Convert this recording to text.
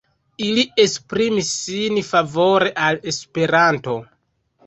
Ili esprimis sin favore al Esperanto.